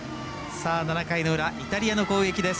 ７回の裏、イタリアの攻撃です。